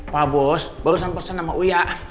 pak bos barusan pesan sama uya